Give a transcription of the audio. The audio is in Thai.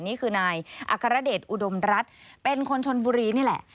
นี่คือนายอัครเดชอุดมรัฐเป็นคนชนบุรีนี่แหละ